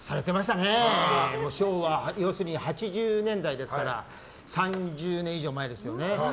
昭和の要するに８０年代ですから３０年以上前ですけどね。